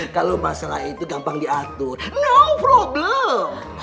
kalau masalah itu gampang diatur no problem